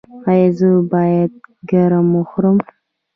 ایا زه باید کرم وخورم؟